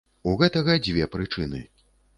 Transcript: У гэтага дзве прычыны.